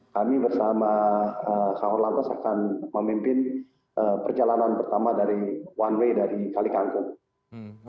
kami bersama kak orlantos akan memimpin perjalanan pertama dari one way dari kalikanggung